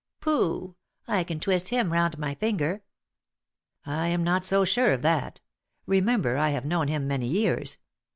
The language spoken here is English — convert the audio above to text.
Pooh! I can twist him round my finger." "I am not so sure of that. Remember, I have known him many years.